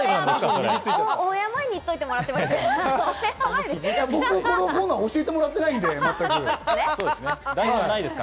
オンエア前に言ってもらっていいですか？